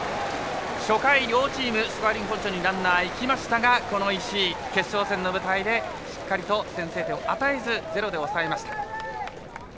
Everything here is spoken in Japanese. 初回、両チームスコアリングポジションにランナーが行きましたがこの石井、決勝戦の舞台でしっかりと先制点を与えずゼロで抑えました。